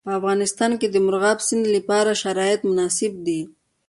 په افغانستان کې د مورغاب سیند لپاره شرایط مناسب دي.